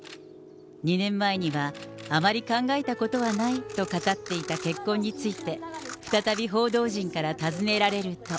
２年前には、あまり考えたことはないと語っていた結婚について、再び報道陣から尋ねられると。